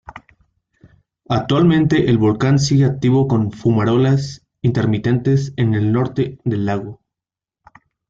Actualmente el volcán sigue activo con fumarolas intermitentes en el norte del lago.